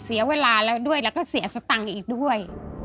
เสียเวลาแล้วด้วยแล้วก็เสียสตังค์อีกด้วย